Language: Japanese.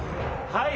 「はい！」